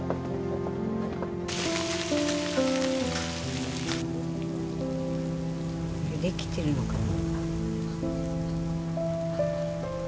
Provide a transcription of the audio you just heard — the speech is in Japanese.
これできてるのかな？